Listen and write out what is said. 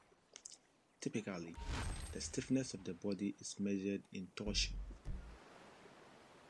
Typically, the stiffness of the body is measured in torsion.